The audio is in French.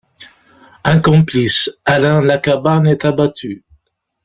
Un complice, Alain Lacabane, est abattu.